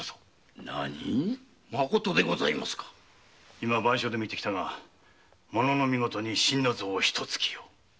今番所で見てきたがものの見事に心の臓を一突きよ。